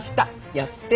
やって。